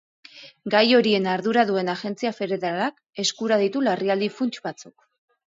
Gai horien ardura duen agentzia federalak eskura ditu larrialdi funts batzuk.